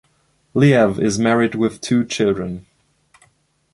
Liew is married with two children.